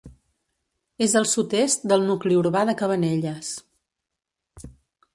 És al sud-est del nucli urbà de Cabanelles.